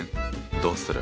どうする？